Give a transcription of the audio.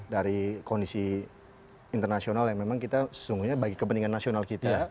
dari kondisi internasional yang memang kita sesungguhnya bagi kepentingan nasional kita